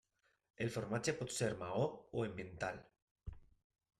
El formatge pot ser maó o emmental.